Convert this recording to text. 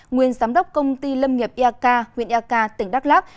nguyên giám đốc công ty lâm nghiệp iak huyện iak tỉnh đắk lạc